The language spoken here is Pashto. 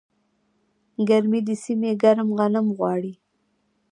ګرمې سیمې ګرم غنم غواړي.